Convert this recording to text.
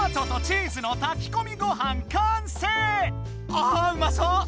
ああうまそう！